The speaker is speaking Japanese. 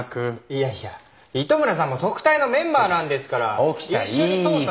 いやいや糸村さんも特対のメンバーなんですから一緒に捜査。